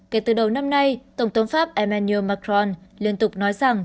kể từ đầu năm nay tổng thống pháp emmanu macron liên tục nói rằng